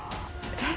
えっ？